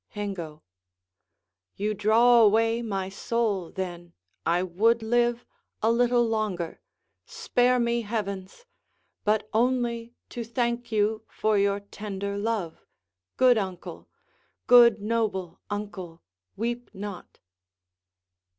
Hengo You draw away my soul, then. I would live A little longer spare me, Heavens! but only To thank you for your tender love: good uncle, Good noble uncle, weep not.